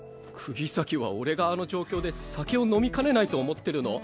釘崎は俺があの状況で酒を飲みかねないと思ってるの？